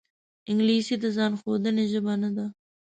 انګلیسي د ځان ښودنې ژبه نه ده